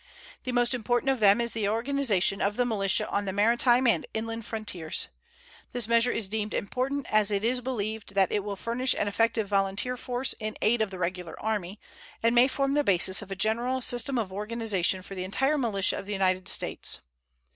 The most important of them is the organization of the militia on the maritime and inland frontiers. This measure is deemed important, as it is believed that it will furnish an effective volunteer force in aid of the Regular Army, and may form the basis of a general system of organization for the entire militia of the United States.